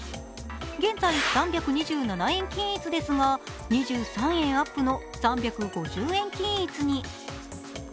現在、３２７円均一ですが２３円アップの３５０円均一に。